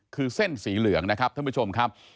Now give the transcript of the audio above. คือเส้นสีเหลืองนะครับท่านผู้ชมครับ